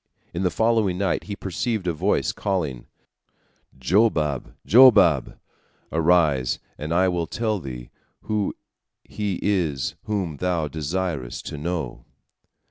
In the following night he perceived a voice calling: "Jobab! Jobab! Arise, and I will tell thee who he is whom thou desirest to know.